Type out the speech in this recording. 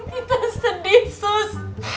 kita sedih sus